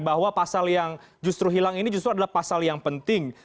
bahwa pasal yang justru hilang ini justru adalah pasal yang penting